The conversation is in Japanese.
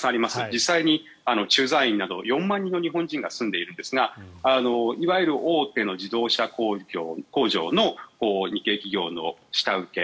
実際に駐在員など４万人の日本人が住んでいるんですがいわゆる大手の自動車工場の日系企業の下請け